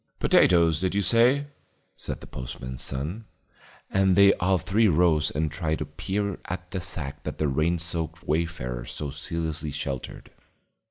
"Potatoes, did you say?" said the postman's son. And they all three rose and tried to peer at the sack that the rain soaked wayfarer so zealously sheltered.